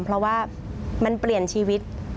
เพราะว่ามันเปลี่ยนชีวิต